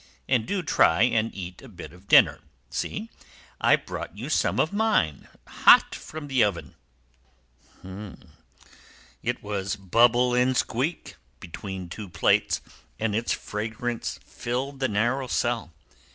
And do try and eat a bit of dinner. See, I've brought you some of mine, hot from the oven!" It was bubble and squeak, between two plates, and its fragrance filled the narrow cell.